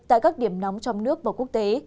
tại các điểm nóng trong nước và quốc tế